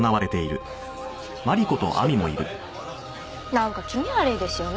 なんか気味悪いですよね。